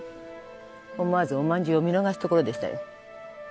思わずおまんじゅうを見逃すところでしたよ